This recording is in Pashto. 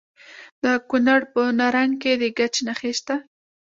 د کونړ په نرنګ کې د ګچ نښې شته.